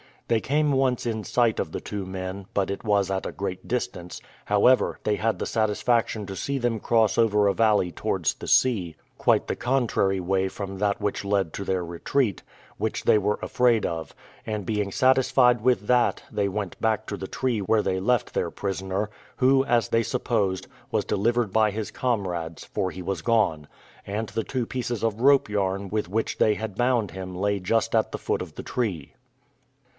They came once in sight of the two men, but it was at a great distance; however, they had the satisfaction to see them cross over a valley towards the sea, quite the contrary way from that which led to their retreat, which they were afraid of; and being satisfied with that, they went back to the tree where they left their prisoner, who, as they supposed, was delivered by his comrades, for he was gone, and the two pieces of rope yarn with which they had bound him lay just at the foot of the tree.